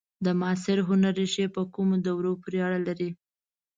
د معاصر هنر ریښې په کومو دورو پورې اړه لري؟